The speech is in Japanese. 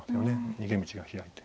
逃げ道が開いて。